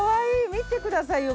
見てくださいよ